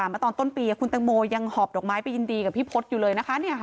มาตอนต้นปีคุณตังโมยังหอบดอกไม้ไปยินดีกับพี่พศอยู่เลยนะคะ